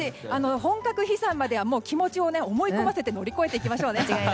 本格飛散までは気持ちを思い込ませて乗り越えていきましょうね。